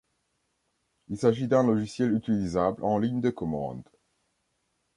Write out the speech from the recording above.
Il s'agit d'un logiciel utilisable en ligne de commande.